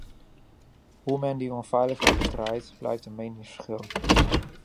Hoe men die onveiligheid bestrijdt, blijft een meningsverschil.